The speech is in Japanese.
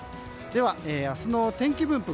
では、明日の天気分布